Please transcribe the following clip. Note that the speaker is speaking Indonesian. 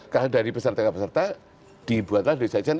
kalau dari peserta peserta dibuatlah dg sn